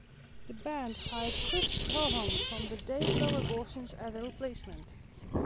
The band hired Chris Prohom from the Dayglo Abortions as a replacement.